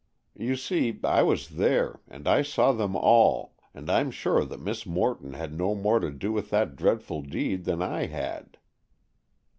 You see, I was there, and I saw them all, and I'm sure that Miss Morton had no more to do with that dreadful deed than I had."